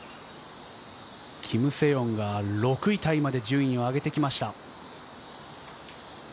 キム・セヨンが６位タイまで順位を上げてきました。